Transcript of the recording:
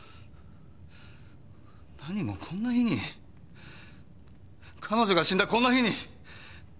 なにもこんな日に彼女が死んだこんな日に。